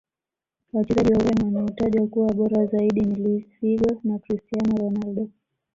Wachezaji wa ureno wanaotajwa kuwa bora zaidi ni luis figo na cristiano ronaldo